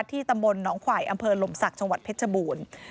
ตำบลหนองขวายอำเภอลมศักดิ์จังหวัดเพชรบูรณ์